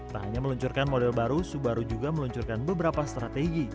tak hanya meluncurkan model baru subaru juga meluncurkan beberapa strategi